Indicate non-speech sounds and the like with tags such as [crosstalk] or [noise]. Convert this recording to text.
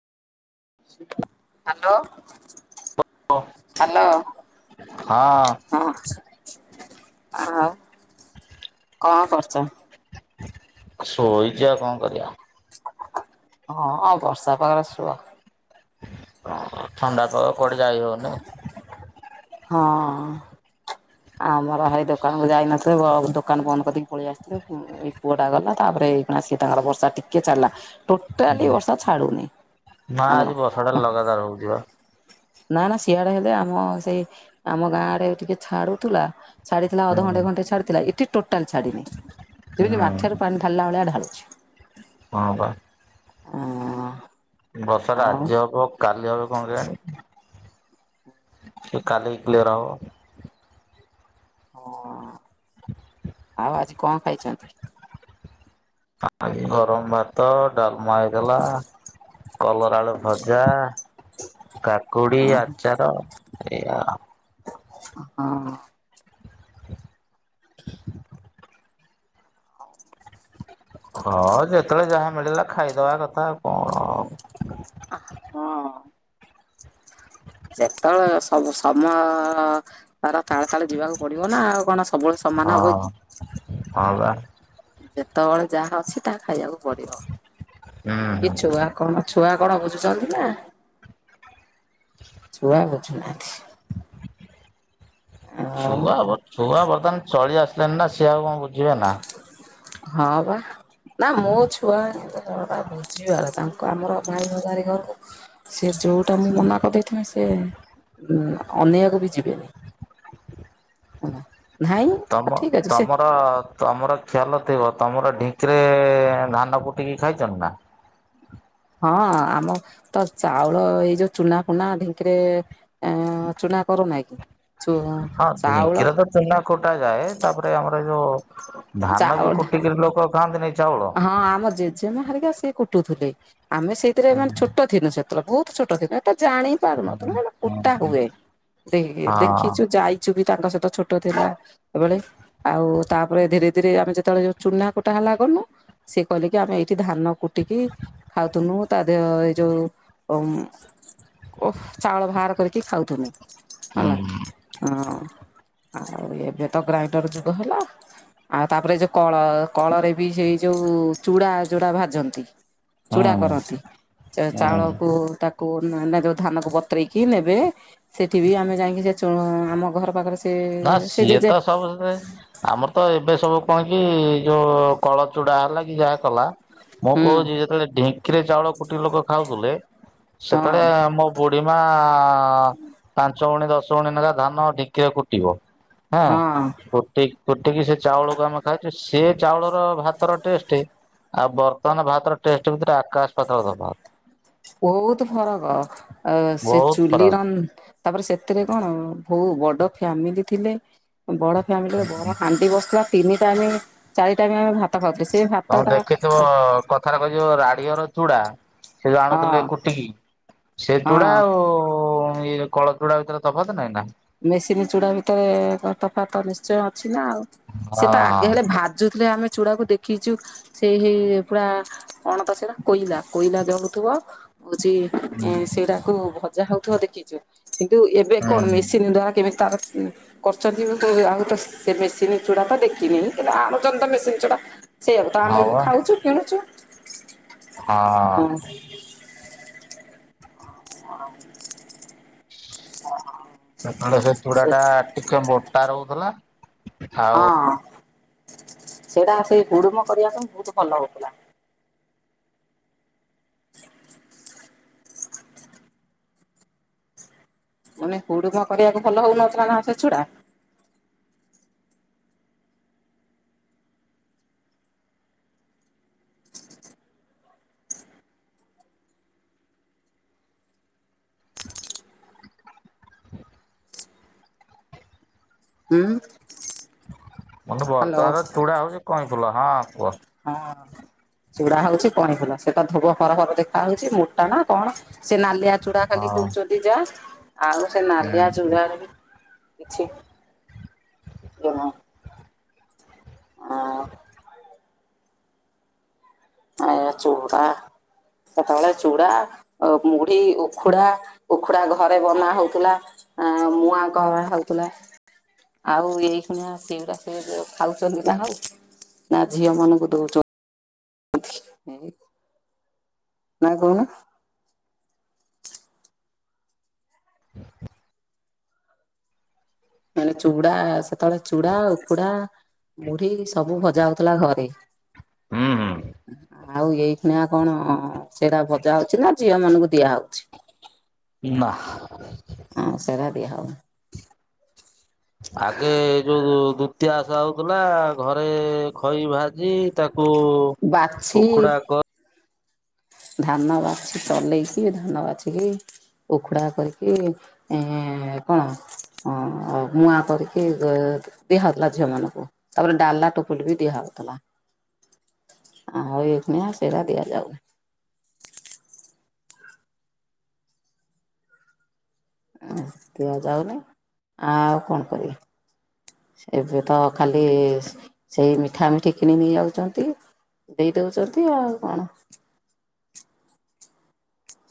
Hello hello. ହଁ ହଁ ଆଉ। କଣ କରୁଚ? ଶୋଇଛି ଆଉ କଣ କରିଆ। ହଁ- ହଁ ବର୍ଷା ପାଗରେ ଶୁଅ। ହଁ ଥଣ୍ଡା ପାଗ, କୁଆଡେ ଯାଇ ହଉନେଇ? [inaudible] ହଁ। ଆମର ଭାର ଦୋକାନ କୁ ଯାଇନଥିଲେ ଦୋକାନ ବନ୍ଦ କରିିକି ପଳେଇ ଆସିଥିଲେ ପୁଅ ଟା ଗଲା ତାପରେ ଏଇ ସିଏ ତାଙ୍କର ବର୍ଷା ଟିକେ ଛାଡ଼ିଲା ଟୋଟାଲି ବର୍ଷା ଛାଡ଼ୁନି ଆମର ହଉ ଯିବା। ନା ନା ସିଆଡେ ହେଲେ ଆମ ସେଇ ଆମ ଗାଁ ଆଡେ ଟିକେ ଛାଡୁଥିଲା ଛାଡ଼ିଥିଲା ଅଧଘଣ୍ଟେ ଘଣ୍ଟେ ଛାଡ଼ିଥିଲା ଏଠି ଟୋଟାଲି ଛାଡ଼ିନି। ଯେମିତି ମାଠିଆରୁ ପାଣି ଢାଳିଲା ଭଳିଆ ଢାଳୁଛି ହଁ ପା। ଆଁ ବର୍ଷ ଟା ଆଜି ହବ କାଲି ହବ କଣ କେଜାଣି କାଲି କ୍ଲିୟର ହବ। ହୁଁ ଆଉ ଆଜି କଣ ଖାଇଛନ୍ତି? ଏଇ ଗରମ ଭାତ, ଡାଲମା ଲା କଲରା ଆଳୁ ଭଜା କାକୁଡି, ଆଚାର ଏଇଆ ଆଉ। ହଁ। ହଁ ଯେତେବେଳେ ଯାହା ମିଳିଲା ଖାଇଦବା କଥା ଆଉ କଣ ହଁ। [inaudible] ଯେତେବେଳେ ସବୁ ସମୟ ତାର ତାଳେ ତାଳେ ଯିବାକୁ ପଡିବ ନା ଆଉ କଣ ସବୁବେଳେ ସମାନ ହବ ହଁ କି? ହଁ ପା। ଯେତେବେଳେ ଯାହା ଅଛି ତାହା ଖାଇବାକୁ ପଡିବ ହୁଁ କି ହୁଁ। ଛୁଆ କଣ? ଛୁଆ କଣ ବୁଝୁଛନ୍ତି ନା ଛୁଆ ବୁଝୁନାହାନ୍ତି? ଆଉ ଶୁଆ ହବ ଛୁଆ ବର୍ତ୍ତମାନ ଚଳି ଆସିଲେଣିି ନା ସିଏ ଆଉ କଣ ବୁଝିବେ ନା? ହଁ ପା। ନା ମୋ ଛୁଆ ଏ ବୁଝିବାର ତାଙ୍କୁ ଆମର ଭାଇଭଗାର ଘରକୁ ସେ ଯୋଉଟା ମୁଁ ମନା କରିଦେଇଥିବେ ସେ ଅନେଇ‌ବା କୁ ବି ଯିବେନି। ହୁଁ। ତମ ତମର ତମର ଖିଆଲ ଥିବ ତମର ଢିଙ୍କିରେ ଧାନ କୁଟିକି ଖାଇଛନ୍ତି ନା? ହଁ ଆମ ତ ଚାଉଳ ଏଇ ଯୋଉ ଚୁନା ଫୁନା ଢିଙ୍କିରେ ଆ ଚୁନା କରୁନାହା କି ହଁ ଚୁ-ଚାଉଳ ଢିଙ୍କିରେ ତ ଚୁନା କୁଟା ଯାଏ ତାପରେ ଆମର ଯୋଉ ଧାନ ବି ଚାଉଳ କୁଟିକିରି ଲୋକ ଖାଆନ୍ତିନି ଚାଉଳ? ହଁ ଆମ ଜେଜେମା ହେରିକା ସିଏ କୁଟୁଥିଲେ ଆମେ ସେଇଥିରେ ହଁ ମାନେ ଛୋଟ ଥିଲୁ ସେ ବହୁତ ଛୋଟ ଥିଲା ଏଟା ଜାଣି ପାରୁନଥିଲୁ ଏଟା କୁଟା ହୁଏ ଦେଖିଛୁ ଯାଇ ଛୁ ବି ତାଙ୍କ ସହିତ ଛୋଟ ଥିଲା ବେଳେ ଆଉ ତାପରେ ଧୀରେ ରେ ଆମେ ଯେତେବେଳେ ଚୁନା କୁଟା ହେଲା ଗନୁ ସିଏ କହିଲେକି ଆମେ ଏଇଠି ଧାନ କୁଟିକି ଖାଉଥୁନୁ ତା ଦେହ ଏଇ ଯୋଉ ଓ ଚାଉଳ ବାହାର କରିକି ଖାଉଥୁନୁ ହୁଁ ହେଲା ହଁ ଆଉ ଏବେ ତ ଗ୍ରାଇଣ୍ଡର ଯୁଗ ହେଲା। ଆଉ ତାପରେ ଯୋଉ କଳ କଳରେ ସେଇ ଯୋଉ ଚୁଡ଼ା ଯୋଡା ଭାଜନ୍ତି ହୁଁ ଚୁଡା କରନ୍ତି। ହୁଁ ଚାଉଳକୁ ତାକୁ ଯୋଉ ଧାନକୁ ବତୁରେଇକି ନେବେ। ସେଠି ବି ଆମେ ଯାଇକି ଆମ ଘର ପାଖରେ ସେ ନା ସେ ସିଏ ଜେଜେ ତ ସବୁ ସେ ଆମର ତ ଏବେ ସବୁ କଣ କି ଯୋଉ କଳ ଚୁଡା ହେଲା କି ଯାହା କଲା ମୁଁ ହୁଁ କହୁଛି ଯେତେବେଳେ ଢି ଙ୍କି ରେ ଚାଉଳ କୁଟିକି ଲୋକ ଖାଉଥିଲେ ସେତେବେଳେ ହଁ ଆମ ବୁଢିମା, ପାଞ୍ଚ ଗଉଣୀ ଦଶ ଗଉଣୀ ନେଖା ଧାନ ଢିଙ୍କିରେ କୁଟିବ। ହଁ। କୁଟି କୁଟି କି ସେ ଚାଉଳକୁ ଆମେ ଖାଇଛୁ, ସେ ଚାଉଳ ର ଭାତର ଟେଷ୍ଟ ଆଉ ବର୍ତ୍ତମାନ ଭାତର ଟେଷ୍ଟ ଭିତରେ, ଆକାଶ ପାତାଳ ତଫାତ। ବହୁତ ଫରକ, ଆ ସେ ବହୁତ ଚୁଲିର ଫରକ। ତାପରେ ସେଥିରେ କଣ, ଭଉ ବଡ ଫ୍ୟାମିଲି ଥିଲେ। ବଡ଼ ହାଣ୍ଡିରେ ବଡ ହାଣ୍ଡି ବସୁଥିଲା, ତିନି ଟାଇମ ଚାରି ଟାଇମ୍ ଆମେ ଭାତ ଖାଉଥିଲେ। ସେଇ ତମେ ଭାତଟା ଦେଖିଥିବ କଥାରେ କୁହାଯିବ ରାଡିଅର ଚୁଡା ସେ ଯୋଉ ଆଣୁଥିଲେ ହଁ କୁଟିକି, ସେ ଚୁଡା ହଁ ଆଉ ଇଏ କଳ ଚୁଡ଼ା ଭିତରେ ତଫାତ ନାଇଁ ନା? ମେସିନ୍ ଚୁଡା ଭିତରେ ତଫାତ ନିଶ୍ଚୟ ଅଛି ନା ଆଉ। ହଁ ସେ ତ ଆଗେ ହେଲେ, ଭାଜୁ ଯାଉଥିଲେ ଆମେ ଚୁଡ଼ାକୁ। ଦେ ଦେଖିଛୁ ସେଇ ହେଇ ପୁରା, କଣ ତ ସେଇଟା କୋଇଲା କୋଇଲା ଜଳୁଥିବ ହଉଛି ଏ ସେଇରାକୁ ଭଜା ହଉଥିବ ଦେଖିଛୁ, କିନ୍ତୁ ଏବେ ହଁ କଣ ମେସି କିଣିଦବା କେମିତି ତାର କରୁଛନ୍ତି ଆଉ ତ ସେ ମେସିନ ଚୁଡା ତ ଦେଖିନି, କିନ୍ତୁ ଆଣୁଛନ୍ତି ତ ମେସିନ ଚୁଡା। ସେଇଆକୁ ତ ଆମେ ହଁ ବି ବା ଖାଉଛୁ, କିଣୁଛୁ। ହଁ। ହଁ ହ ସେତେବେଳେ ସେ ଚୁଡ଼ାଟା ଟିକେ ମୋଟା ରହୁଥିଲା। ଆଉ ହଁ ସେଇଟା ସେଇ ହୁଡ଼ୁମ କରିବା ପାଇଁ ବହୁତ ଭଲ ହଉଥିଲା। ମାନେ ହୁଡୁମ କରିଆକୁ ଭଲ ହଉନଥିଲା ନା ସେ ଚୁ। ହୁଁ। ମାନେ ହ୍ୟାଲୋ ବର୍ତ୍ତମାନର ଚୁଡା ହଉଛି କଇଁଫୁଲ। ହଁ କୁହ ହଁ ଚୁଡା ହଉଛି କଇଁଫୁଲ, ସେଟା ଧୋବ ଫରଫର ଦେଖା ହଉଛି। ମୋଟା ନା କଣ ସେ ନାଲିଆ ଚୁଡା ଖାଲି ହଁ କହୁଛନ୍ତି ଯା, ଆଉ ସେ ନାଲିଆ ହୁଁ ଚୁଡ଼ାରେ ବି କିଛି ଜମା ହ ଆ ଏ ଚୁଡ଼ା କେତେବେଳେ ଚୁଡ଼ା ଅ ମୁଢି ଉଖୁଡା, ଉଖୁଡା ଘରେ ବନା ହଉଥିଲା। ଆଁ ମୁଁଆ କ ହଉଥିଲା। ଆଉ ଏଇ ଖୁଣିଆ, ସେଗୁରା ସେ ଖାଉଛନ୍ତି ନା ଆଉ। ନା ଝିଅ ମାନଙ୍କୁ ଦଉଛ ନାଁ କହୁନ? ମାନେ ଚୁଡା ସେତେବେଳେ ଚୁଡା, ଉଖୁଡା, ମୁଢି ସବୁ ଭଜା ହଉଥିଲା ଘରେ। ହଁ - ହଁ। ଆଉ ଏଇଖିଣ କଣ ସେଟା ଭଜା ହଉଛି ନା, ଝିଅ ମାନଙ୍କୁ ଦିଆ ହଉଛି। [unintelligible] ହଁ ସେରା ଦିଆ ହଉନି। ଆଗେ ଯୋଉ ଦୂତୀଆ ଓଷା ହଉଥିଲା, ଘରେ ଖଇ ଭାଜି ତାକୁ ବାଛି ଉଖୁଡା କ ଧାନ ବାଛି ଚଲେଇକି, ଧାନ ବାଛିକି ଉଖୁଡ଼ା କରିକି ଏଁ କଣ ମୁଁଆ କରିକି ଦିଆ ହଉଥିଲା ଝିଅ ମାନଙ୍କୁ, ତାପରେ ଡାଲା ଟୋପୁଲି ବି ଦିଆ ହଉଥିଲା। ଆଉ ଏଇଖୀନା ସେଇରା ଦିଆ ଯାଉ ନାହିଁ। ଆଉ ଦିଆଯାଉନି, ଆଉ କଣ କରିବା? ଏବେ ତ ଖାଲି ସେଇ ମିଠା ମିଠି କିଣି ନେଇ ଯାଉଛନ୍ତି। ଦେଇ ଦଉଛନ୍ତି ଆଉ କଣ